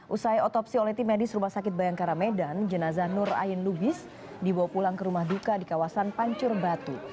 usai otopsi oleh tim medis rumah sakit bayangkara medan jenazah nur ain lubis dibawa pulang ke rumah duka di kawasan pancur batu